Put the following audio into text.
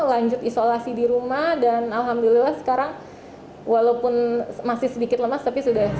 lanjut isolasi di rumah dan alhamdulillah sekarang walaupun masih sedikit lemas tapi sudah